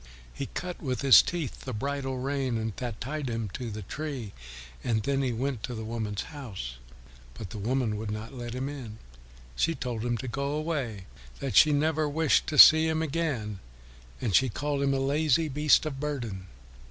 He cut with his teeth the bridle rein that tied him to the tree, and then he went to the woman's house. But the woman would not let him in. She told him to go away, that she never wished to see him again, and she called him a lazy beast of burden.